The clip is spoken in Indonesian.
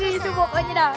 itu pokoknya dah